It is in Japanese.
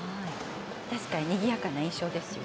確かににぎやかな印象ですよね。